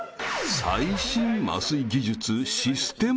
［最新麻酔技術システマ］